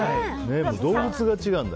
動物が違うんだ。